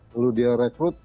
lalu dia rekrut